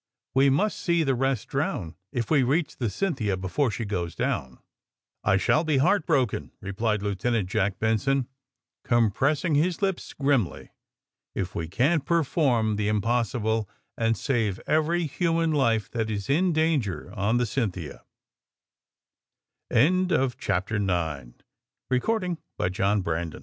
"We must see the rest drown^ — if we reach the ^Cynthia' before she goes down.'' I shall be heart broken," replied Lieutenant Jack Benson, compressing his lips grimly, *4f we can't perform the impossible and save every human life that is in danger on the ^ Cy